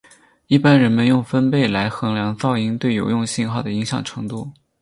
一般人们用分贝来衡量噪音对有用信号的影响程度。